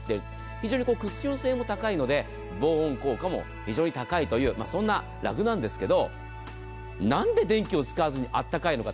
非常にクッション性も高いので防音効果も非常に高いというそんなラグなんですがなんで電気を使わずに温かいのか。